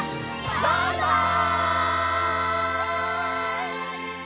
バイバイ！